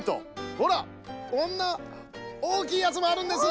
ほらこんなおおきいやつもあるんです。